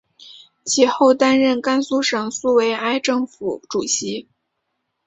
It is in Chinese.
其后担任甘肃省苏维埃政府主席。